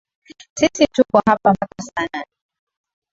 Sisi tuko hapa mpaka saa nane.